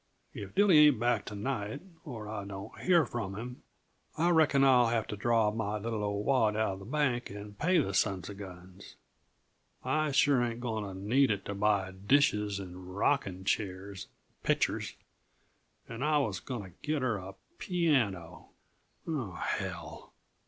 If Dilly ain't back to night, or I don't hear from him, I reckon I'll have to draw m' little old wad out uh the bank and pay the sons uh guns. I sure ain't going to need it to buy dishes and rocking chairs and pictures and I was going t' git her a piano oh, hell!"